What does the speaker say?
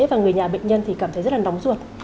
và người nhà bệnh nhân thì cảm thấy rất là nóng ruột